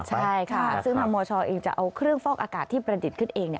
ใช่ค่ะซึ่งทางมชเองจะเอาเครื่องฟอกอากาศที่ประดิษฐ์ขึ้นเอง